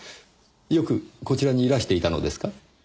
よくこちらにいらしていたのですか？